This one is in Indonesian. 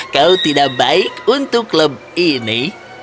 kau tidak baik untuk klub ini